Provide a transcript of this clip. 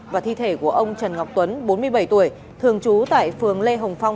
và thi thể của ông trần ngọc tuấn bốn mươi bảy tuổi thường trú tại phường lê hồng phong